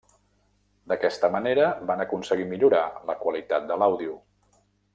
D'aquesta manera, van aconseguir millorar la qualitat de l’àudio.